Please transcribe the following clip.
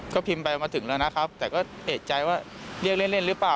ก็พิมพ์ไปมาถึงแล้วนะครับแต่ก็เอกใจว่าเรียกเล่นหรือเปล่า